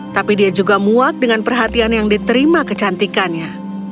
tapi dia juga muak dengan perhatian yang diterima kecantikannya